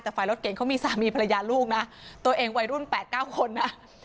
แต่ฝ่ายรถเก่งเขามีสามีภรรยาลูกนะตัวเองวัยรุ่น๘๙คนนะ